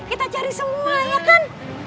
kita cari semua ya kan